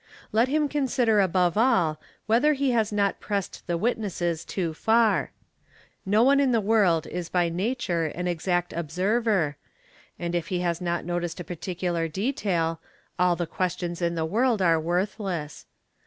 Let him consider above all whether he has not pressed the witnesses too far. No one in the world is by nature an exact observer, and if he has not noticed a particular detail, all the questions in the world are worthless.